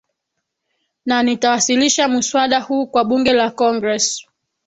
na nitawasilisha muswada huu kwa bunge la congress